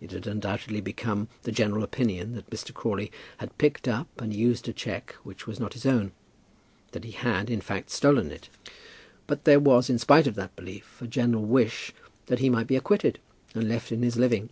It had undoubtedly become the general opinion that Mr. Crawley had picked up and used a cheque which was not his own; that he had, in fact, stolen it; but there was, in spite of that belief, a general wish that he might be acquitted and left in his living.